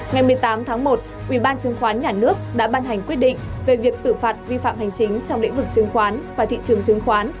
ngày một mươi tám tháng một ubnd đã ban hành quyết định về việc xử phạt vi phạm hành chính trong lĩnh vực chứng khoán và thị trường chứng khoán